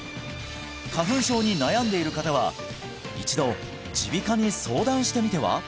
花粉症に悩んでいる方は一度耳鼻科に相談してみては？